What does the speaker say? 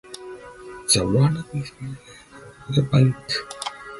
The word "pinky" is derived from the Dutch word "pink", meaning "little finger".